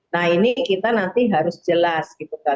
nah ini kita nanti harus jelas